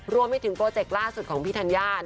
รวมไปถึงโปรเจกต์ล่าสุดของพี่ธัญญา